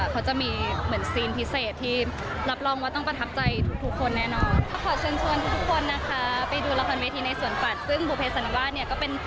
เป็นต้นไต